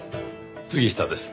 杉下です。